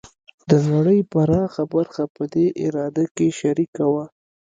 د نړۍ پراخه برخه په دې اراده کې شریکه وه.